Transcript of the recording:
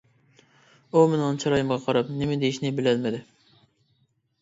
ئۇ مېنىڭ چىرايىمغا قاراپ نېمە دېيىشىنى بىلەلمىدى.